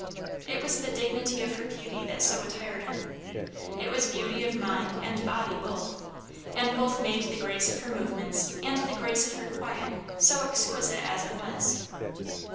It was the dignity of her beauty that so attired her; it was beauty of mind and body both; and both made the grace of her movements and the grace of her quiet so exquisite as it was.